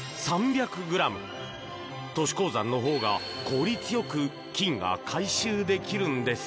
都市鉱山のほうが効率よく金が回収できるのです。